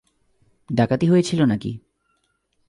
ডাকাতি হয়েছিল নাকি?